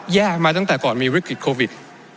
มาตั้งแต่ก่อนมีวิกฤตโควิด